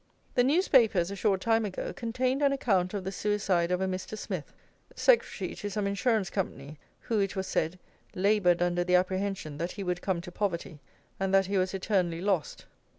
The newspapers a short time ago contained an account of the suicide of a Mr. Smith, secretary to some insurance company, who, it was said, "laboured under the apprehension that he would come to poverty, and that he was eternally lost."